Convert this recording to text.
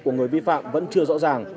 của người vi phạm vẫn chưa rõ ràng